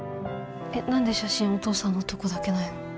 えっ何で写真お父さんのとこだけないの？